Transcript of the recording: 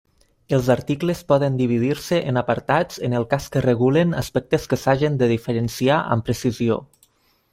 Els articles poden dividir-se en apartats en el cas que regulen aspectes que s'hagen de diferenciar amb precisió.